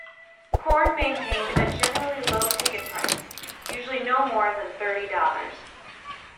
Korn maintained a generally low ticket price, usually no more than thirty dollars.